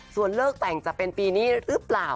ส่วนเลิกแต่งจะเป็นปีนี้หรือเปล่า